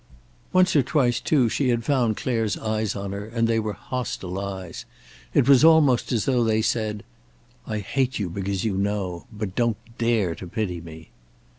Once or twice, too, she had found Clare's eyes on her, and they were hostile eyes. It was almost as though they said: "I hate you because you know. But don't dare to pity me."